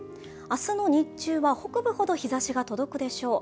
明日の日中は北部ほど日ざしが届くでしょう。